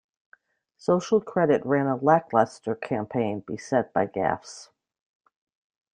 Social Credit ran a lackluster campaign beset by gaffes.